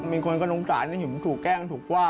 มีคนก็สงสารถูกแกล้งถูกว่า